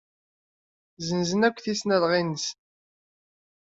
Ssenzen akk tisnasɣalin-nsen.